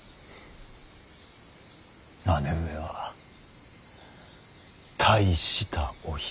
姉上は大したお人だ。